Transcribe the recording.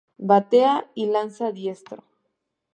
Batea y lanza diestro.